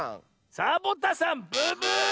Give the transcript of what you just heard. サボタさんブブーッ！